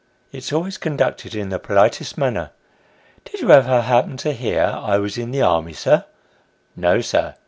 " (it's always conducted in the politest manner). " Did you ever happen to hear I was in the army, sir